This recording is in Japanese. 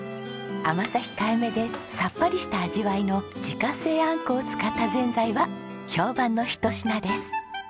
甘さ控えめでさっぱりした味わいの自家製あんこを使ったぜんざいは評判のひと品です。